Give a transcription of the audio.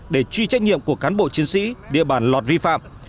để truy trách nhiệm của cán bộ chiến sĩ địa bàn lọt vi phạm